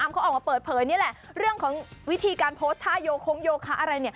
เขาออกมาเปิดเผยนี่แหละเรื่องของวิธีการโพสต์ท่าโยคงโยคะอะไร